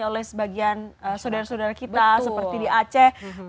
oleh sebagian saudara saudara kita seperti di aceh